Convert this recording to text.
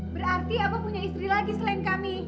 berarti aku punya istri lagi selain kami